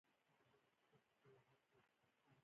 کله کله به يې زه هم له ځان سره بېولم.